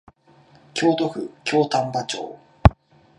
京都府京丹波町